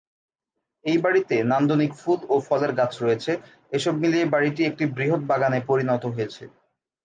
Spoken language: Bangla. এই বাড়িতে নান্দনিক ফুল ও ফলের গাছ রয়েছে, এসব মিলিয়ে বাড়িটি একটি বৃহৎ বাগানে পরিণত হয়েছে।